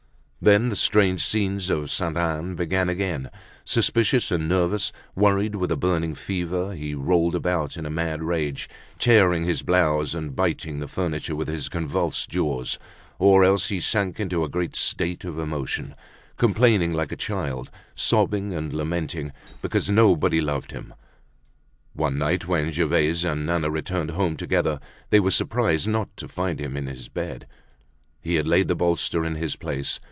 Then the strange scenes of Sainte Anne began again. Suspicious and nervous, worried with a burning fever, he rolled about in a mad rage, tearing his blouse and biting the furniture with his convulsed jaws; or else he sank into a great state of emotion, complaining like a child, sobbing and lamenting because nobody loved him. One night when Gervaise and Nana returned home together they were surprised not to find him in his bed. He had laid the bolster in his place.